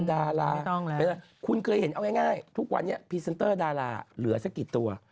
นางคิดแบบว่าไม่ไหวแล้วไปกดแล้วไปขบว